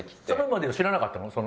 それまでは知らなかったの？